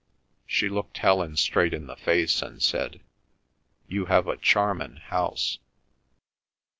She looked Helen straight in the face and said, "You have a charmin' house."